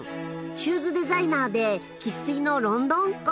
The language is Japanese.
シューズデザイナーで生っ粋のロンドンっ子。